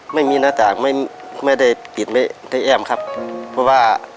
หุ้มหนาว